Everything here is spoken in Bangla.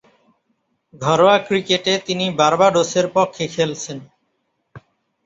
ঘরোয়া ক্রিকেটে তিনি বার্বাডোসের পক্ষে খেলছেন।